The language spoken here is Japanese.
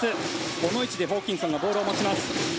この位置でホーキンソンがボールを持ちます。